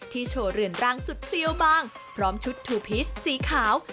โชว์เรือนร่างสุดเพลียวบางพร้อมชุดทูพีชสีขาว